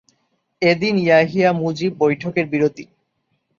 এদিন ইয়াহিয়া-মুজিব বৈঠকের বিরতি।